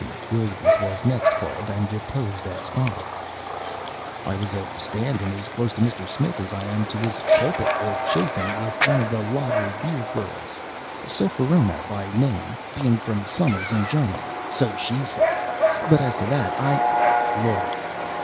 McWilliamson was next called, and deposed as follows: "I was a standing as close to Mr. Smith as I am to this pulpit, a chaffing with one of the lager beer girls Sophronia by name, being from summers in Germany, so she says, but as to that, I " LAWYER.